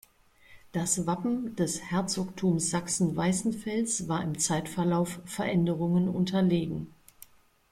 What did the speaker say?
Das Wappen des Herzogtums Sachsen-Weißenfels war im Zeitverlauf Veränderungen unterlegen.